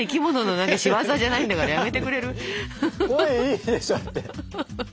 これいいでしょだって！